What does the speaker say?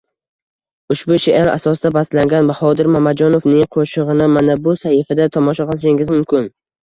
Ushbu sheʼr asosida bastalangan Bahodir Mamajonovning qoʻshigʻini mana bu sahifada tomosha qilishingiz mumkin.